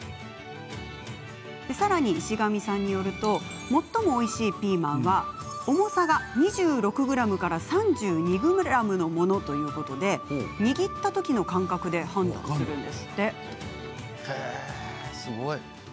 さらに、石神さんによると最もおいしいピーマンは重さが２６ｇから３２ｇのものということで握ったときの感覚で判断するんだそうです。